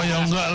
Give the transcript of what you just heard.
oh ya enggak lah